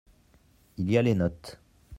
Il y a les notes.